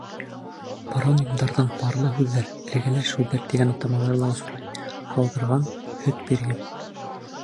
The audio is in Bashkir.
Паронимдарҙың парлы һүҙҙәр, эргәләш һүҙҙәр тигән атамалары ла осрай. һауҙырған, һөт биргән;